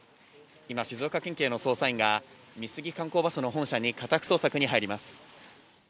今、静岡県警の捜査員が美杉観光バスの本社に家宅捜索に入ります。